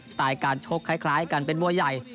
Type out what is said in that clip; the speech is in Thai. ไตล์การชกคล้ายกันเป็นมวยใหญ่